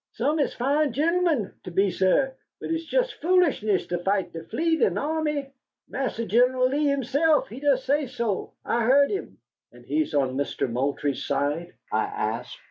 Some is fine gentlemen, to be suah, but it's jist foolishness to fight dat fleet an' army. Marse Gen'l Lee hisself, he done sesso. I heerd him." "And he's on Mister Moultrie's side?" I asked.